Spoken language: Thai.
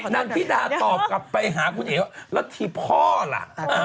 นางธิดาตอบกลับไปหาคุณเองแล้วที่พ่อล่ะ